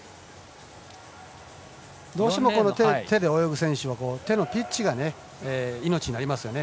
どうしても手で泳ぐ選手は手のピッチが命になりますよね。